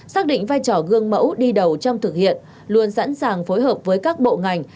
xác định vai trò gương mẫu đi đầu trong thực hiện luôn sẵn sàng phối hợp với các bộ ngành